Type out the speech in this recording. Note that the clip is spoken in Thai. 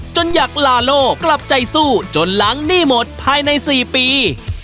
อยากลาโลกกลับใจสู้จนล้างหนี้หมดภายใน๔ปี